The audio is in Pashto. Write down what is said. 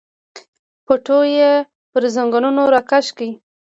پټو یې پر زنګنونو راکش کړ.